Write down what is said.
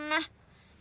tuh kan sop atuh makan